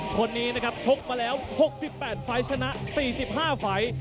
คนนี้นะครับชกมาแล้ว๖๘ไฟล์ชนะ๔๕ไฟล์